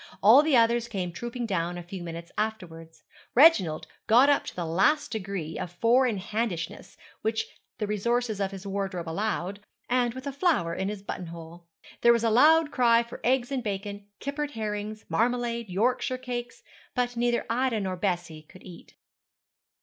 All the others came trooping down a few minutes afterwards, Reginald got up to the last degree of four in handishness which the resources of his wardrobe allowed, and with a flower in his buttonhole. There was a loud cry for eggs and bacon, kippered herrings, marmalade, Yorkshire cakes; but neither Ida nor Bessie could eat.